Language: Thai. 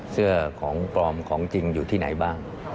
เสื้อของปลอมของจริงอยู่ที่ไหนบ้าง